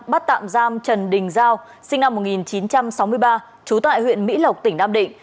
bắt tạm giam trần đình giao sinh năm một nghìn chín trăm sáu mươi ba trú tại huyện mỹ lộc tỉnh nam định